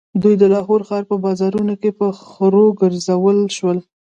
دوی د لاهور ښار په بازارونو کې په خرو وګرځول شول.